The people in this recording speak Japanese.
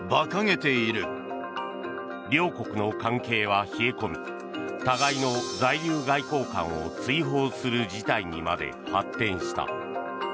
両国の関係は冷え込み互いの在留外交官を追放する事態にまで発展した。